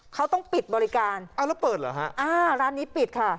เขาต้องปิดบริการเอาแล้วเปิดเหรอฮะอ่าร้านนี้ปิดค่ะ